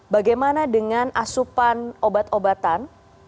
bagaimana dengan asupan obat obatan